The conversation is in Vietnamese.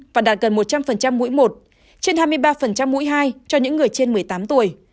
và đạt gần một trăm linh mũi một trên hai mươi ba mũi hai cho những người trên một mươi tám tuổi